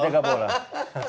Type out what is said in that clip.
dua tiga pulau